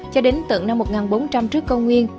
cho đến tận năm một nghìn bốn trăm linh trước công nguyên